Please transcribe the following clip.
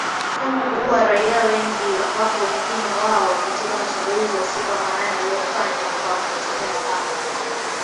Tangu kuua raia wengi ambapo wengi wao ni katika mashambulizi ya usiku wa manane yaliyofanywa kwa kutumia mapanga